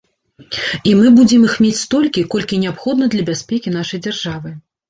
І мы будзем іх мець столькі, колькі неабходна для бяспекі нашай дзяржавы.